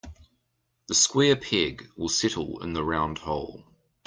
The square peg will settle in the round hole.